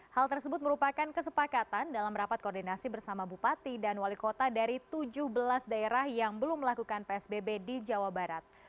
hal tersebut merupakan kesepakatan dalam rapat koordinasi bersama bupati dan wali kota dari tujuh belas daerah yang belum melakukan psbb di jawa barat